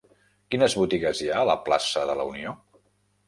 Quines botigues hi ha a la plaça de la Unió?